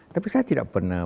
tapi saya tidak pernah